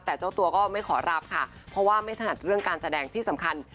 แต่เจ้าตัวก็ไม่ขอรับค่ะเพราะว่าไม่ถนัดเรื่องการแสดงที่สำคัญ